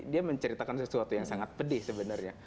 dia menceritakan sesuatu yang sangat pedih sebenarnya